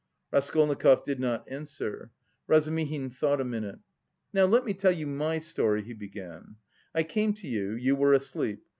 Raskolnikov did not answer. Razumihin thought a minute. "Now let me tell you my story," he began, "I came to you, you were asleep.